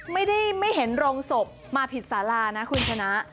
ไม่เห็นโรงศพมาผิดสารานะคุณชนะ